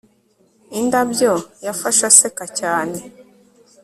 Indabyo yafashe aseka cyane